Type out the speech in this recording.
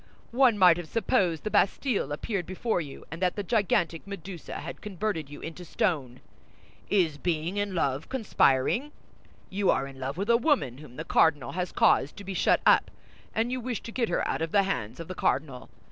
One might have supposed the Bastille appeared before you, and that the gigantic Medusa had converted you into stone. Is being in love conspiring? You are in love with a woman whom the cardinal has caused to be shut up, and you wish to get her out of the hands of the cardinal.